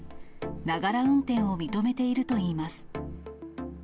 ながら運転を認めているといいます。